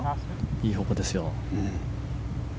いい方向ですよ。